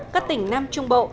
các tỉnh nam trung bộ